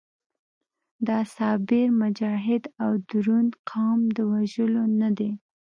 دا صابر، مجاهد او دروند قام د وژلو نه دی.